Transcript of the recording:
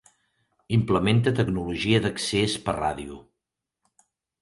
Implementa tecnologia d'accés per ràdio.